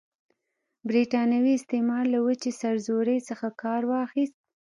برټانوي استعمار له وچې سرزورۍ څخه کار واخیست.